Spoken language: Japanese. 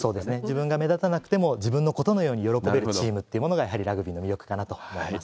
自分が目立たなくても、自分のことのように喜べるチームというのが、やはりラグビーの魅力かなと思います。